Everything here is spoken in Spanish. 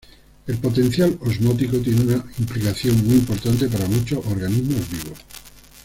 El potencial osmótico tiene una implicación muy importante para muchos organismos vivos.